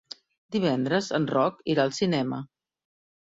Divendres en Roc irà al cinema.